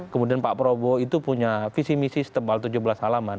kemudian pak prabowo itu punya visi misi setelah tebal